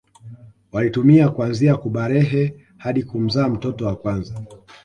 Walitumia kuanzia kubalehe hadi kumzaa mtoto wa kwanza